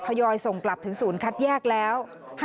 ทยอยส่งกลับถึงศูนย์คัดแยกแล้ว